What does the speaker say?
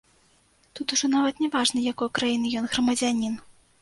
Тут ужо нават няважна, якой краіны ён грамадзянін.